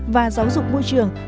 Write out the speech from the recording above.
và giáo dục môi trường